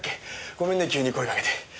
ごめんね急に声かけて。